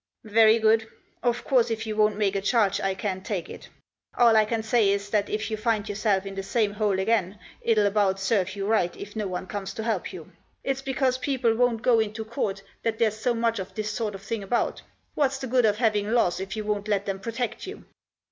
" Very good. Of course, if you won't make a charge I can't take it. All I can say is, that if you find yourself in the same hole again, it'll about serve you right if no one comes to help you. It's because people won't go into court that there's so much of this sort of thing about. What's the good of having laws if you won't let them protect you."